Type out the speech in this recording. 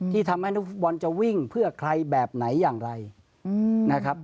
ที่ทำให้นักฟุตบอลจะวิ่งเพื่อใครแบบไหนอย่างไรนะครับ